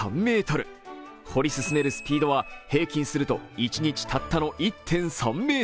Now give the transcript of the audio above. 掘り進めるスピードは平均すると一日たったの１．３ｍ。